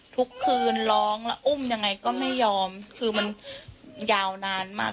ทุกคืนร้องแล้วอุ้มยังไงก็ไม่ยอมคือมันยาวนานมาก